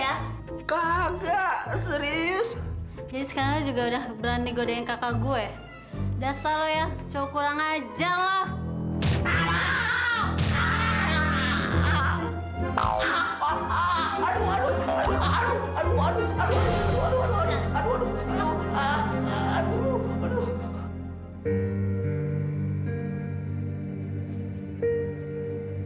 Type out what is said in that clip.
ya kakak serius ini sekarang juga udah berani gode kakak gue dasar lo ya curang aja loh